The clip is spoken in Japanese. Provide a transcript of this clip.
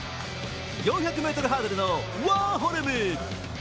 ４００ｍハードルのワーホルム。